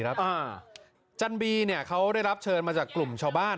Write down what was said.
จันบีเขาได้รับเชิญมาจากกลุ่มชาวบ้าน